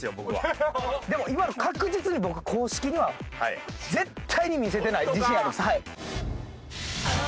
でも今の確実に僕公式には絶対見せてない自信あります。